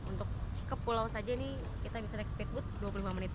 untuk ke pulau saja ini kita bisa naik speedboat dua puluh lima menit